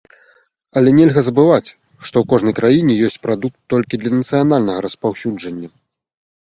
Але нельга забываць, што ў кожнай краіне ёсць прадукт толькі для нацыянальнага распаўсюджання.